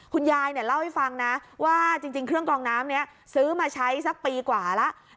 คุณยายเล่าให้ฟังนะว่าจริงเครื่องกองน้ำนี้ซื้อมาใช้สักปีกว่าแล้ว